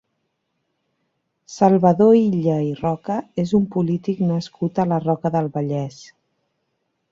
Salvador Illa i Roca és un polític nascut a la Roca del Vallès.